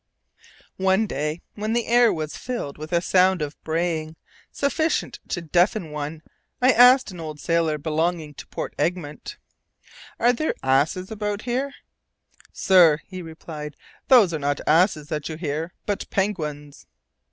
One day, when the air was filled with a sound of braying, sufficient to deafen one, I asked an old sailor belonging to Port Egmont, "Are there asses about here?" "Sir," he replied, "those are not asses that you hear, but penguins."